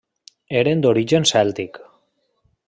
Eren d'origen cèltic.